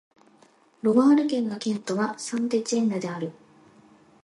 ロワール県の県都はサン＝テチエンヌである